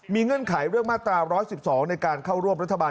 มีเงื่อนไขเรื่องมาตรา๑๑๒